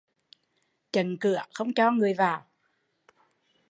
Chận cửa không cho người vào